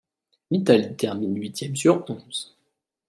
L'Italie termine huitième sur onze.